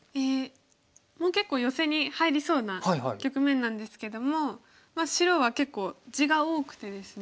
もう結構ヨセに入りそうな局面なんですけども白は結構地が多くてですね。